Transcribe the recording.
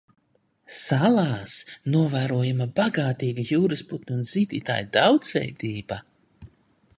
Salās novērojama bagātīga jūrasputnu un zīdītāju daudzveidība.